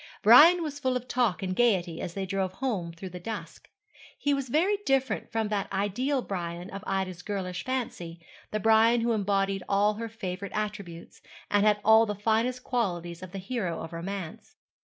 Brian was full of talk and gaiety as they drove home through the dusk. He was very different from that ideal Brian of Ida's girlish fancy the Brian who embodied all her favourite attributes, and had all the finest qualities of the hero of romance.